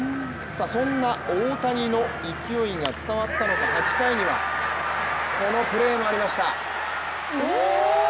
そんな大谷の勢いが伝わったのか、８回には、このプレーもありました。